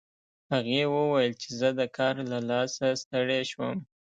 هغې وویل چې زه د کار له لاسه ستړې شوم